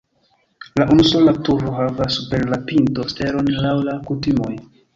La unusola turo havas super la pinto stelon laŭ la kutimoj.